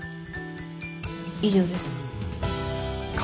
以上です。